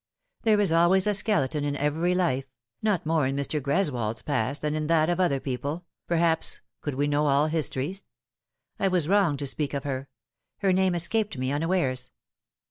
There is always a skeleton in every life not more in Mr. Greswold's past than in that of other people, perhaps, could we know all histories. I was wrong to speak of her. Her name escaped me unawares."